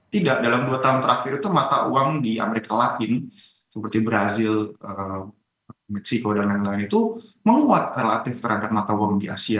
tidak dalam dua tahun terakhir itu mata uang di amerika latin seperti brazil meksiko dan lain lain itu menguat relatif terhadap mata uang di asia